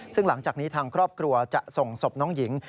ซึ่งหลังจากนี้ทางครอบครัวจะส่งศพน้องหญิง